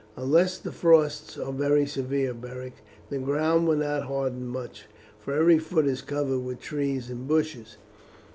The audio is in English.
"Unless the frosts are very severe, Beric, the ground will not harden much, for every foot is covered with trees and bushes.